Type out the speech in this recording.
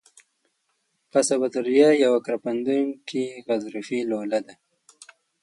قصبة الریه یوه کرپندوکي غضروفي لوله ده.